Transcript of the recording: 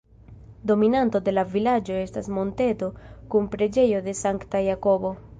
Dominanto de la vilaĝo estas monteto kun preĝejo de Sankta Jakobo.